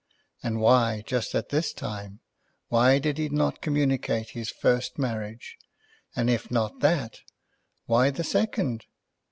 And why just at this time? Why did he not communicate his first marriage; and if not that, why the second?